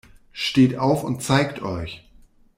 Steht auf und zeigt euch!